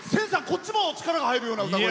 こっちも力が入るような。